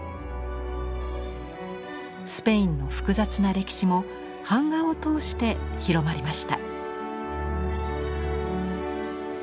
スペインの複雑な歴史も版画を通して広まりました。